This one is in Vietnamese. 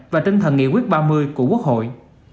và tinh thần nghị quyết ba mươi của quốc hội